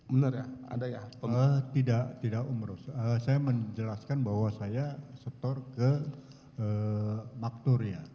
bener ya ada ya tidak tidak umroh saya menjelaskan bahwa saya setor ke makturya